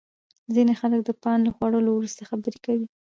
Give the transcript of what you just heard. ځینې خلک د پان له خوړلو وروسته خبرې کوي.